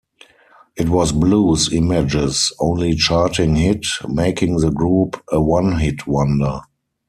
It was Blues Image's only charting hit, making the group a one-hit wonder.